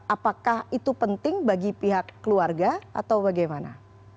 apakah itu penting bagi pihak keluarga atau bagaimana